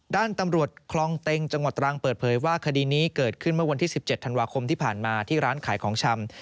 ด้านตำรวจคลองเต็งจังหวัดตรังเปิดเผยว่าคดีนี้เกิดขึ้นเมื่อวันที่๑๗ธันวาคมที่ผ่านมาที่ร้านขายของชำ